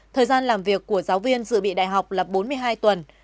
thời gian làm việc của giáo viên dự bị đại học là bốn mươi hai tuần